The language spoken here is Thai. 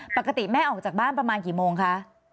ปกติแม่ออกจากบ้านประมาณกี่โมงคะ